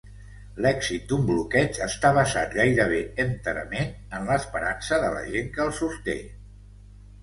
L'èxit d'un bloqueig està basat gairebé enterament en l'esperança de la gent que el sosté.